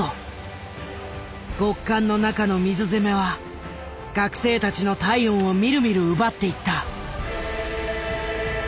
極寒の中の水攻めは学生たちの体温をみるみる奪っていった。